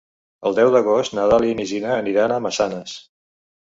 El deu d'agost na Dàlia i na Gina aniran a Massanes.